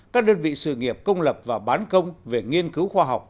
các đơn vị sự nghiệp công lập và bán công về nghiên cứu khoa học